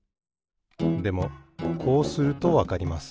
でもこうするとわかります。